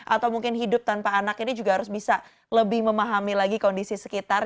atau mungkin hidup tanpa anak ini juga harus bisa lebih memahami lagi kondisi sekitar